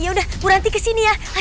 udah bu ranti kesini ya